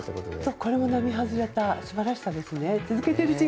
これは並外れた素晴らしさですね。